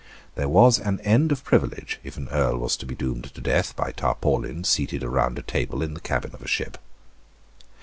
There was an end of privilege if an Earl was to be doomed to death by tarpaulins seated round a table in the cabin of a ship.